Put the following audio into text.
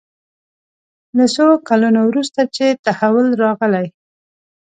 له څو کلونو وروسته چې تحول راغلی.